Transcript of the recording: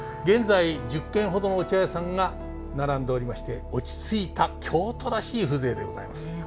現在１０軒ほどのお茶屋さんが並んでおりまして落ち着いた京都らしい風情でございます。